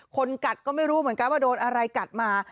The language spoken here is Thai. คนกัดก็ไม่รู้เหมือนกันว่าโดนอะไรกัดมา